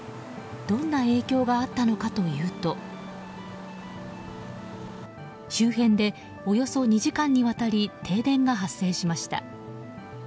どんな影響があったのかというと周辺でおよそ２時間にわたり停電が発生しました。